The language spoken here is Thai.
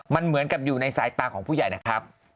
มันเหมือนกับอยู่ในสายตาของผู้ใหญ่นะครับ